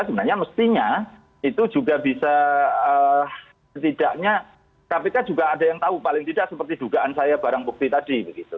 sebenarnya mestinya itu juga bisa setidaknya kpk juga ada yang tahu paling tidak seperti dugaan saya barang bukti tadi